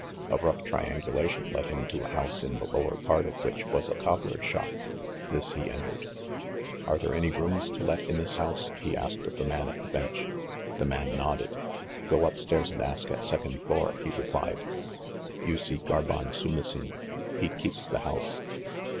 A rough triangulation led him to a house in the lower part of which was a cobbler's shop. This he entered. "Are there any rooms to let in this house ?" he asked of the man at the bench. The man nodded. "Go up stairs and ask at second floor," he replied. "You see Carbon Soumissin; he keeps the house."